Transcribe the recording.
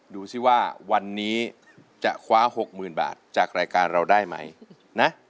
ดูสิว่าวันนี้จะคว้า๖๐๐๐บาทจากรายการเราได้ไหมนะ